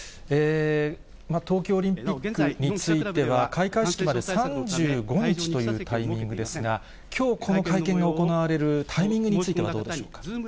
東京オリンピックについては、開会式まで３５日というタイミングですが、きょうこの会見が行われるタイミングについてはどうでしょうか。